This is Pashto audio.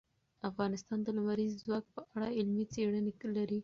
افغانستان د لمریز ځواک په اړه علمي څېړنې لري.